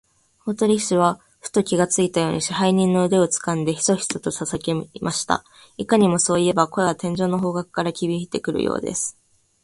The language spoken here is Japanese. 大鳥氏はふと気がついたように、支配人の腕をつかんで、ヒソヒソとささやきました。いかにも、そういえば、声は天井の方角からひびいてくるようです。